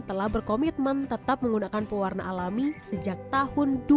telah berkomitmen tetap menggunakan pewarna alami sejak tahun dua ribu